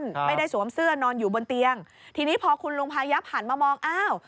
ไม่ได้สวมเสื้อนอนอยู่บนเตียงทีนี้พอคุณลุงพายับหันมามองอ้าว